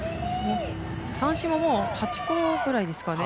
三振も、もう８個ぐらいですかね。